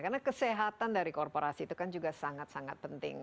karena kesehatan dari korporasi itu kan juga sangat sangat penting